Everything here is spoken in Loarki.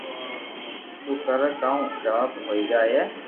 نو ڪرو ڪوم حراب ھوئي جائي